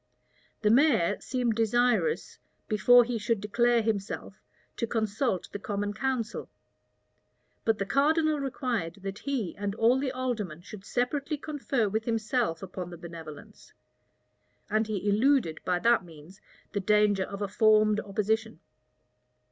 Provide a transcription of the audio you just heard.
The mayor seemed desirous, before he should declare himself, to consult the common council; but the cardinal required that he and all the aldermen should separately confer with himself about the benevolence; and he eluded by that means the danger of a formed opposition.